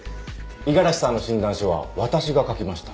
五十嵐さんの診断書は私が書きました。